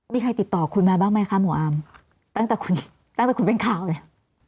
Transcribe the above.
มีใครติดต่อคุณมาบ้างไหมค่ะหมู่อามตั้งแต่คุณเป็นข่าวนี่